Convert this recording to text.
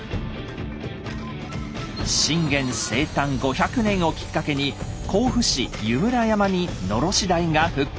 信玄生誕５００年をきっかけに甲府市湯村山に「のろし台」が復活。